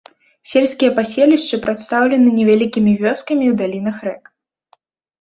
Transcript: Сельскія паселішчы прадстаўлены невялікімі вёскамі ў далінах рэк.